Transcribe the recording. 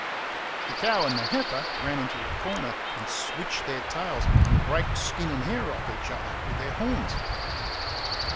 The cow and the heifer ran into a corner, and switched their tails, and raked skin and hair off each other with their horns.